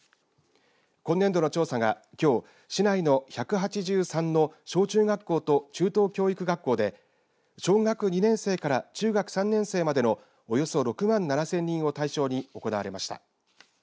今年度の調査が、きょう市内の１８３の小中学校と中等教育学校で小学２年生から中学３年生までのおよそ６万７０００人を対象に行われました。